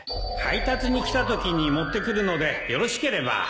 配達に来たときに持ってくるのでよろしければ